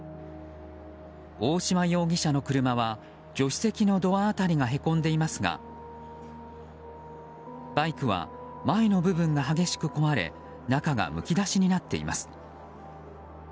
大島容疑者の車は助手席のドア辺りがへこんでいますがバイクは前の部分が激しく壊れ中がむき出しになっています。